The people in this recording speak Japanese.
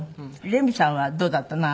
レミさんはどうだったの？